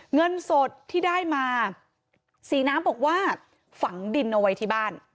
เงินสดที่ได้มาศรีน้ำบอกว่าฝังดินเอาไว้ที่บ้าน